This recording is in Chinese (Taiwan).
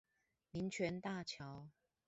民權大橋